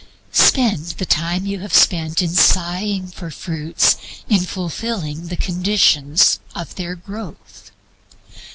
Spend the time you have spent in sighing for fruits in fulfilling the conditions of their growth.